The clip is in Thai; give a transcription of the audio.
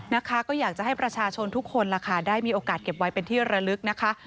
นะคะก็อยากจะให้ประชาชนทุกคนล่ะค่ะได้มีโอกาสเก็บไว้เป็นที่ระลึกนะคะ